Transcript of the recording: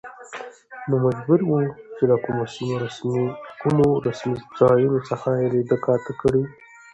نو مجبور و، چې له کومو رسمي ځايونو څخه يې ليده کاته کړي.